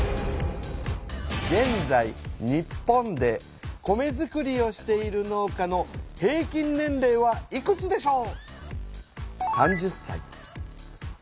げんざい日本で米づくりをしている農家の平均年齢はいくつでしょう？